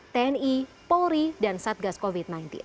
tni polri dan satgas covid sembilan belas